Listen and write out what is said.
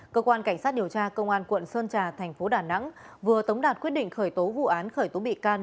cơ quan cảnh sát điều tra công an quận sơn trà thành phố đà nẵng vừa tống đạt quyết định khởi tố vụ án khởi tố bị can